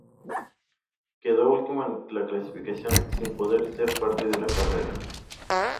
Quedó último en la clasificación, sin poder ser parte de la carrera.